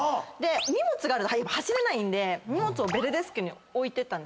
荷物があると走れないんで荷物をベルデスクに置いてったんです。